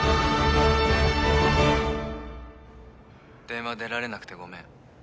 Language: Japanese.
「電話出られなくてごめん」